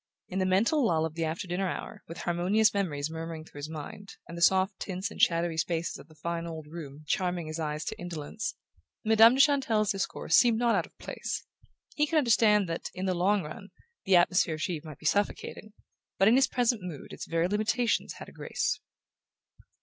In the mental lull of the after dinner hour, with harmonious memories murmuring through his mind, and the soft tints and shadowy spaces of the fine old room charming his eyes to indolence, Madame de Chantelle's discourse seemed not out of place. He could understand that, in the long run, the atmosphere of Givre might be suffocating; but in his present mood its very limitations had a grace.